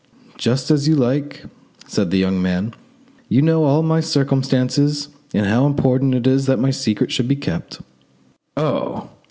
"Just as you like," said the young man; "you know all my circumstances and how important it is that my secret should be kept." "Oh!